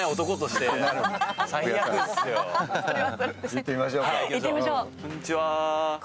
行ってみましょうか。